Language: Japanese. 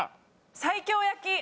西京焼き。